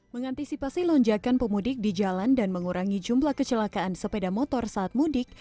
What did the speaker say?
mengantisipasi lonjakan pemudik di jalan dan mengurangi jumlah kecelakaan sepeda motor saat mudik